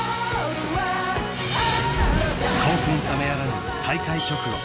［興奮冷めやらぬ大会直後